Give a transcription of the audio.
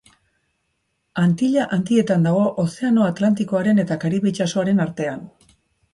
Antilla Handietan dago, Ozeano Atlantikoaren eta Karibe itsasoaren artean.